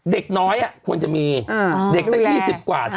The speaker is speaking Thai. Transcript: เด็กน้อยควรจะมีเด็กสัก๒๐กว่า